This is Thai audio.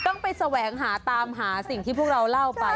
ต้องไปแสวงหาตามหาสิ่งที่พวกเราเล่าไป